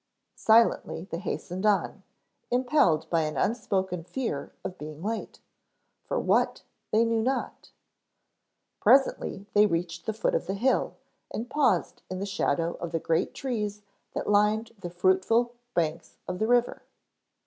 Silently they hastened on, impelled by an unspoken fear of being late, for what they knew not. Presently they reached the foot of the hill and paused in the shadow of the great trees that lined the fruitful banks of the river.